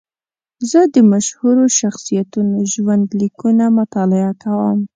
زه د مشهورو شخصیتونو ژوند لیکونه مطالعه کوم.